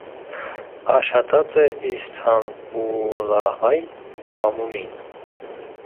Աշատած է իսթանպուլահայ մամուլին։